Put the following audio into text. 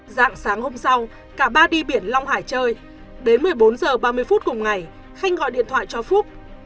dạng sáng hôm sau cả ba đi biển long hải chơi đến một mươi bốn h ba mươi phút cùng ngày khanh gọi điện thoại cho phúc